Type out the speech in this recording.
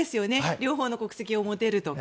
両方の国籍を持てるとか。